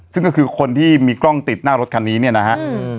ซึ่งก็คือคนที่มีกล้องติดหน้ารถคันนี้เนี่ยนะฮะ